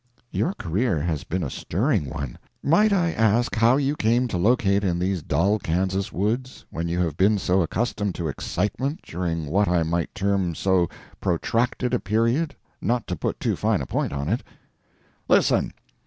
"Your career has been a stirring one. Might I ask how you came to locate in these dull Kansas woods, when you have been so accustomed to excitement during what I might term so protracted a period, not to put too fine a point on it?" "Listen.